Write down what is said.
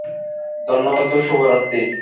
ধন্যবাদ ও শুভরাত্রি।